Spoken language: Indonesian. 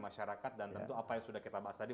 masyarakat dan tentu apa yang sudah kita bahas tadi